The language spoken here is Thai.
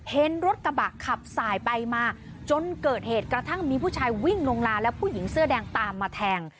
เห็นรถกระบะขับสายไปมาจนเกิดเหตุกระทั่งมีผู้ชายวิ่งลงมาแล้วผู้หญิงเสื้อแดงตามมาแทง